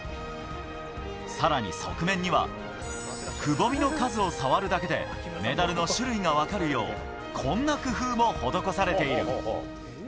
さらに側面には、くぼみの数を触るだけでメダルの種類が分かるよう、こんな工夫も施されている。